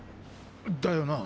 だよな。